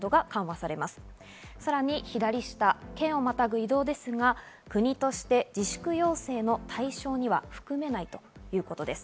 さらに県をまたぐ移動ですが、国として自粛要請の対象には含めないということです。